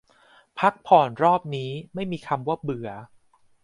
พักผ่อนรอบนี้ไม่มีคำว่าเบื่อ